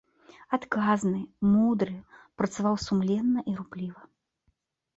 Адказны, мудры, працаваў сумленна і рупліва.